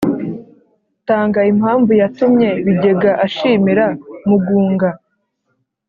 Tanga impamvu yatumye Bigega ashimira mugunga .